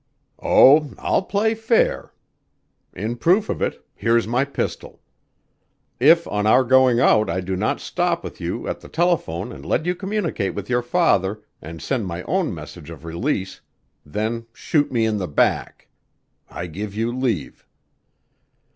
"Oh, I'll play fair. In proof of it, here's my pistol. If on our going out I do not stop with you at the telephone and let you communicate with your father and send my own message of release, then shoot me in the back. I give you leave."